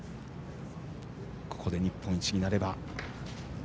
ここで日本一になれば。